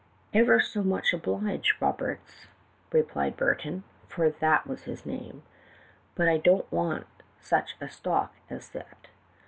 "'Ever so much obliged, Roberts,' replied Burton, for that was his name; 'but I don't want such a stock as that.